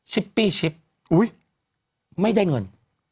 ชิปปี้ซิปไม่ได้เงิน